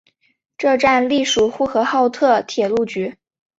该站隶属呼和浩特铁路局。